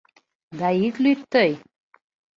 — Да ит лӱд тый!